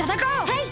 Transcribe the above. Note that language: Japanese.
はい！